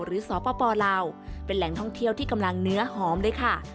สปลาวเป็นแหล่งท่องเที่ยวที่กำลังเนื้อหอมด้วยค่ะ